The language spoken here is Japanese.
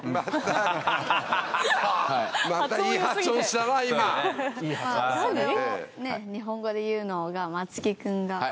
それを日本語で言うのが松木くんが。